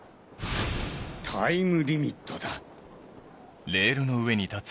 タイムリミットだ。